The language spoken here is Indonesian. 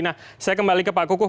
nah saya kembali ke pak kukuh